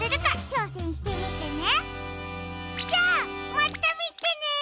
じゃあまたみてね！